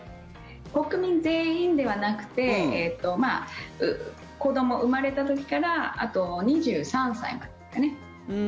国民全員ではなくて子ども、生まれた時からあと２３歳までですかね